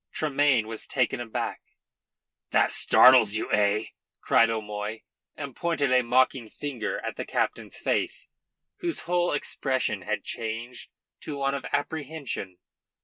Tremayne was taken aback. "That startles you, eh?" cried O'Moy, and pointed a mocking finger at the captain's face, whose whole expression had changed to one of apprehension.